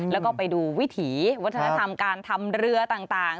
แล้วก็ไปดูวิถีวัฒนธรรมการทำเรือต่าง